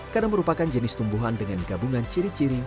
karena merupakan jenis tumbuhan dengan gabungan ciri ciri